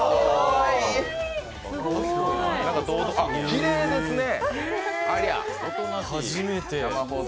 きれいですね。